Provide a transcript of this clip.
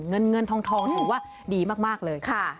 เงินเงินทองถือว่าดีมากเลยค่ะ